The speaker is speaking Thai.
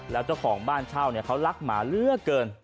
แล้วเจ้าของบ้านเช่าเขารักหมาเหลือเกิน